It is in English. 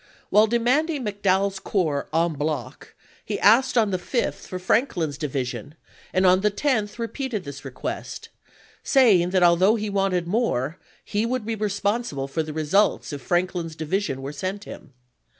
While demanding McDowell's corps en hloc he asked on the 5th for Franklin's division, and on the 10th repeated this request, saying that although he wanted more, he would be responsible for the results if Franklin's division were sent him.